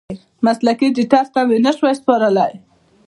مسلکي ایډېټر ته مې نشوای سپارلی.